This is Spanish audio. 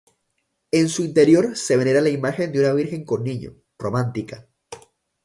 En su interior se venera la imagen de una Virgen con Niño, románica.